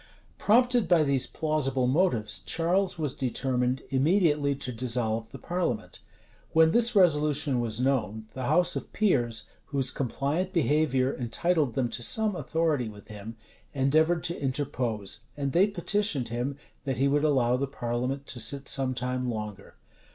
Prompted by these plausible motives, Charles was determined immediately to dissolve the parliament. When this resolution was known, the house of peers, whose compliant behavior entitled them to some authority with him, endeavored to interpose;[*] and they petitioned him, that he would allow the parliament to sit some time longer.